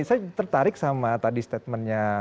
saya tertarik sama tadi statementnya